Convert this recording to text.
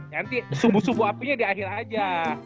nanti sumbu sumbu apinya di akhir aja